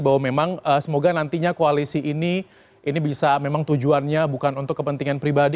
bahwa memang semoga nantinya koalisi ini ini bisa memang tujuannya bukan untuk kepentingan pribadi